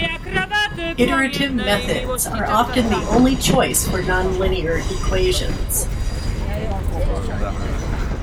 Iterative methods are often the only choice for nonlinear equations.